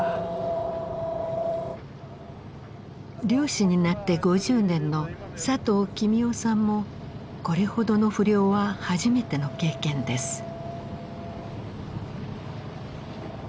漁師になって５０年の佐藤公男さんもこれほどの不漁は初めての経験です。